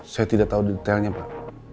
saya tidak tahu detailnya pak